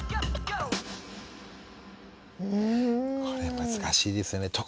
これ難しいですね。